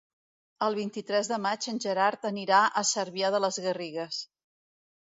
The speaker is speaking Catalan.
El vint-i-tres de maig en Gerard anirà a Cervià de les Garrigues.